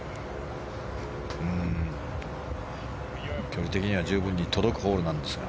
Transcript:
距離的には十分に届くホールなんですが。